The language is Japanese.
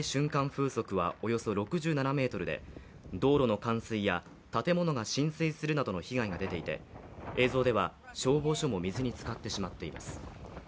風速はおよそ６７メートルで道路の冠水や建物が浸水するなどの被害が出ていて映像では、消防署も水につかってしまっています。